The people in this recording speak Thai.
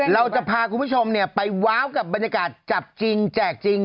เราจะพาคุณผู้ชมไปว้าวกับบรรยากาศจับจริงแจกจริง